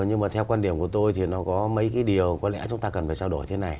nhưng mà theo quan điểm của tôi thì nó có mấy cái điều có lẽ chúng ta cần phải trao đổi thế này